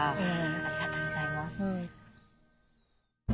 ありがとうございます。